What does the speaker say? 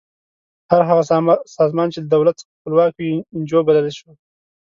هر هغه سازمان چې له دولت څخه خپلواک وي انجو بللی شو.